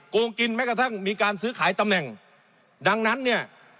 โกงกินแม้กระทั่งมีการซื้อขายตำแหน่งดังนั้นเนี่ย